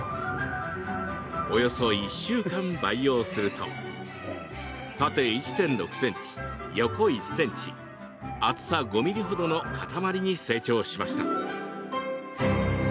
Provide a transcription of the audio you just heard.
およそ１週間、培養すると縦１．６ｃｍ、横１ｃｍ厚さ５ｍｍほどの塊に成長しました。